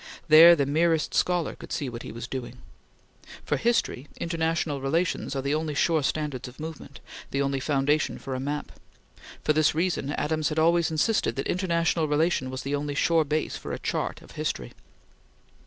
There the merest scholar could see what he was doing. For history, international relations are the only sure standards of movement; the only foundation for a map. For this reason, Adams had always insisted that international relation was the only sure base for a chart of history.